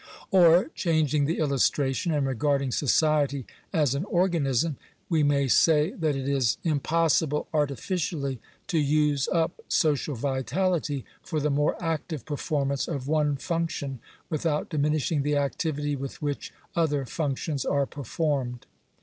Or, changing the illustration, and regarding society as an organism, we may say that it is impossible artificially to use up social vitality for the more active performance of one func tion, without diminishing the activity with which other func tions are performed.